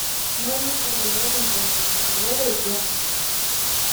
No hay mucha variedad en cuanto a tableros y piezas.